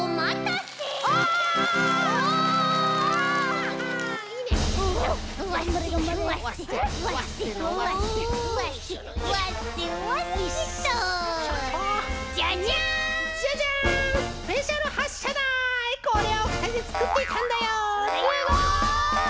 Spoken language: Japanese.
すごい！